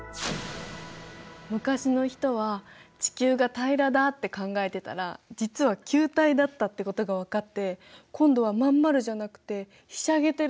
昔の人は地球が平らだって考えてたら実は球体だったってことがわかって今度は真ん丸じゃなくてひしゃげてるだなんて。